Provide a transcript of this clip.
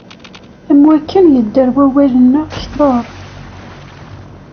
Am wakken yedder wawal neɣ kter.